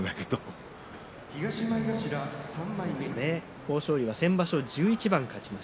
豊昇龍は、先場所１１番、勝っています。